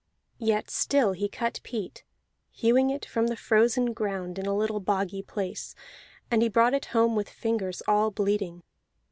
Yet still he cut peat, hewing it from the frozen ground in a little boggy place; and he brought it home with fingers all bleeding.